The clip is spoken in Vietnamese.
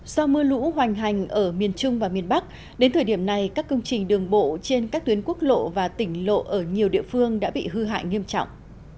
do mưa lũ hoành hành ở miền trung và miền bắc đến thời điểm này các công trình đường bộ trên các tuyến quốc lộ và tỉnh lộ ở nhiều địa phương đã bị hư hại nghiêm trọng